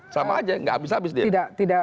sama aja tidak habis habis dia